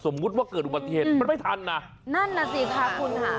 ว่าเกิดอุบัติเหตุมันไม่ทันนะนั่นน่ะสิค่ะคุณค่ะ